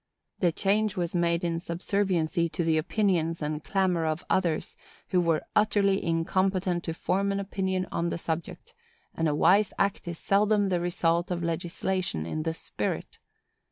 "The change was made in subserviency to the opinions and clamor of others, who were utterly incompetent to form an opinion on the subject; and a wise act is seldom the result of legislation in this spirit.